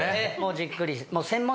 「じっくり」